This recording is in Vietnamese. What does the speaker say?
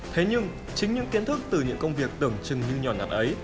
thế nhưng chính những kiến thức từ những công việc tưởng chừng như nhỏ ngặt ấy